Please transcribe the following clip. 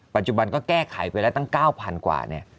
ปัจจุบันก็แก้ไขไปแล้วตั้ง๙๐๐กว่าเนี่ย